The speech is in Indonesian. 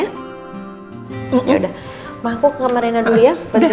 yaudah ma aku ke kamar rena dulu ya